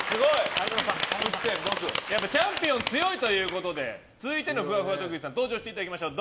チャンピオン強いということで続いてのふわふわ特技登場していただきましょう。